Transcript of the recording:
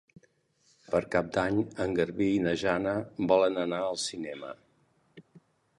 Per Cap d'Any en Garbí i na Jana volen anar al cinema.